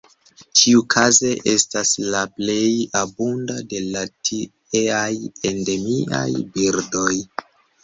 Ĉiukaze estas la plej abunda de la tieaj endemiaj birdoj.